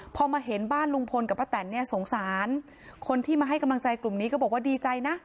พอมาเห็นบ้านลุงพลกับป้าแตนเนี่ยสงสารคนที่มาให้กำลังใจกลุ่มนี้ก็บอกว่าดีใจนะ